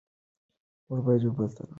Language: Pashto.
موږ بايد يو بل ته لاس ورکړو.